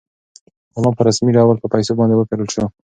غلام په رسمي ډول په پیسو باندې وپېرل شو.